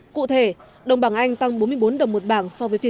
cụ thể đồng bảng anh tăng bốn mươi bốn đồng một bảng so với phiên truyền